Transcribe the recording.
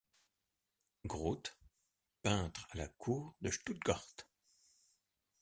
Grooth, peintre à la Cour de Stuttgart.